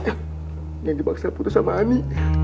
jangan dibaksa putus sama ani